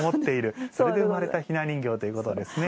それで生まれた雛人形ということですね。